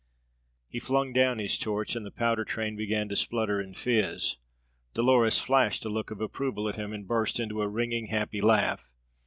He flung down his torch, and the powder train began to splutter and fizz. Dolores flashed a look of approval at him, and burst into a ringing, happy laugh.